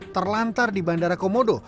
terlantar di bandara komodo